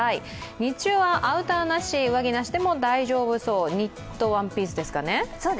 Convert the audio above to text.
日中はアウターなし、上着なしでも大丈夫そう、ニットワンピースですかね。